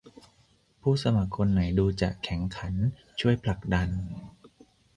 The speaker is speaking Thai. ผู้สมัครคนไหนดูจะแข็งขันช่วยผลักดัน